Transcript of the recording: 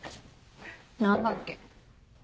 何だっけ？